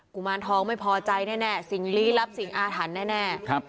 ุมารทองไม่พอใจแน่สิ่งลี้ลับสิ่งอาถรรพ์แน่ครับ